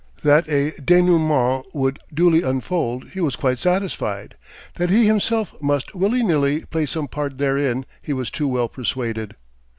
That a dénouement would duly unfold he was quite satisfied; that he himself must willy nilly play some part therein he was too well persuaded.